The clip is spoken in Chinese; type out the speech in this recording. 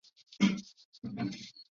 我这时候才看懂